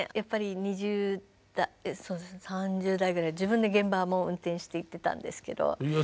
２０３０代ぐらい自分で現場も運転して行ってたんですけど。